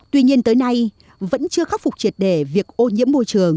tuy nhiên tới nay vẫn chưa khắc phục triệt để việc ô nhiễm môi trường